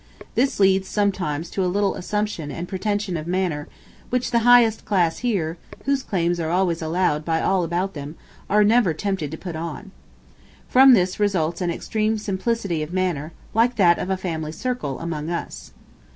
This leads sometimes to a little assumption and pretension of manner, which the highest class here, whose claims are always allowed by all about them, are never tempted to put on. From this results an extreme simplicity of manner, like that of a family circle among us.